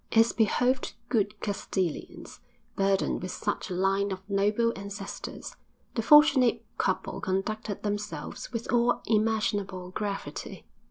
As behoved good Castilians, burdened with such a line of noble ancestors, the fortunate couple conducted themselves with all imaginable gravity.